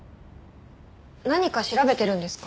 何か調べてるんですか？